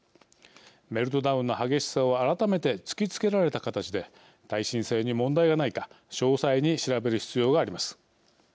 メルトダウンの激しさを改めて突きつけられた形で耐震性に問題がないか詳細に調べる必要があります。